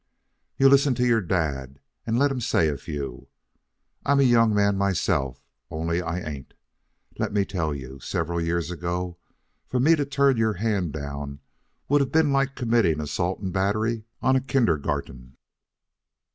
"You listen to your dad, and let him say a few. I'm a young man myself, only I ain't. Let me tell you, several years ago for me to turn your hand down would have been like committing assault and battery on a kindergarten."